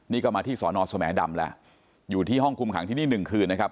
นี่ก็มาที่สนสมภดำแล้วอยู่ที่ห้องคุมขังที่นี้๑เคือนนะครับ